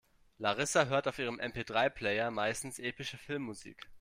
Larissa hört auf ihrem MP-drei-Player meistens epische Filmmusik.